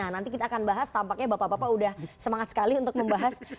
nanti kita akan bahas tampaknya bapak bapak udah semangat sekali untuk membahas